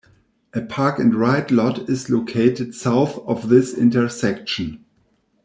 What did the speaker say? A park and ride lot is located south of this intersection.